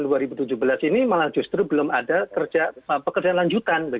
tahun dua ribu tujuh belas ini malah justru belum ada pekerjaan lanjutan